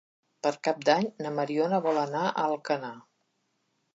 Per Cap d'Any na Mariona vol anar a Alcanar.